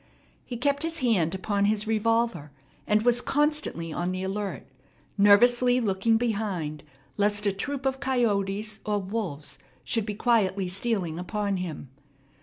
He kept his hand upon his revolver, and was constantly on the alert, nervously looking behind lest a troop of coyotes or wolves should be quietly stealing upon him.